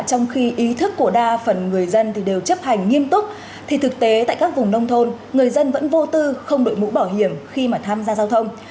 trong khi ý thức của đa phần người dân đều chấp hành nghiêm túc thì thực tế tại các vùng nông thôn người dân vẫn vô tư không đội mũ bảo hiểm khi mà tham gia giao thông